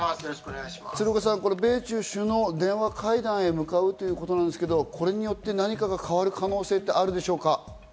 鶴岡さん、これ米中首脳電話会談へ向かうということなんですけど、これによって何かが変わる可能性ってあるでしょうか？